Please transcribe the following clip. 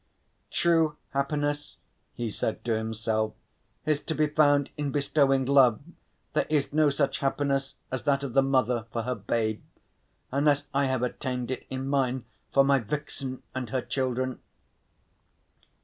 "True happiness," he said to himself, "is to be found in bestowing love; there is no such happiness as that of the mother for her babe, unless I have attained it in mine for my vixen and her children."